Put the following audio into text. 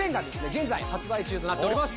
現在発売中となっております